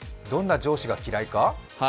どんな上司が嫌いか？